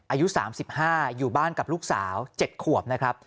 อายุ๓๕อยู่บ้านกับลูกสาว๗ขวบนะครับ